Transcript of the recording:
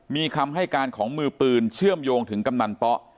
มีคำให้การของมือปืนเชื่อมโยงถึงกำนันป๊อ